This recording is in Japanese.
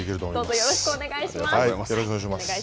よろしくお願いします。